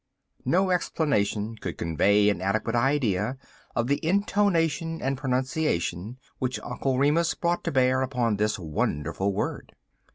No explanation could convey an adequate idea of the intonation and pronunciation which Uncle Remus brought to bear upon this wonderful word.